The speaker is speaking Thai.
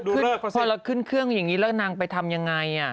คือพอเราขึ้นเครื่องอย่างนี้แล้วนางไปทำยังไง